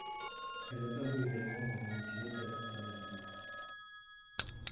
Elle apparut également dans un épisode d'Alerte à Malibu.